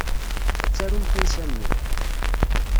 Ad tarum tansa-nni.